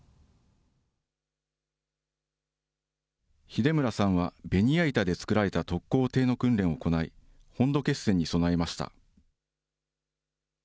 秀村さんは、ベニヤ板で作られた特攻艇の訓練を行い、本土決戦に備えました。